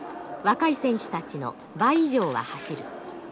若い選手たちの倍以上は走る。